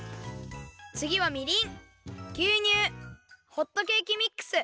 つぎはみりんぎゅうにゅうホットケーキミックス。